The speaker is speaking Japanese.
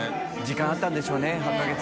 時間あったんでしょうね８か月。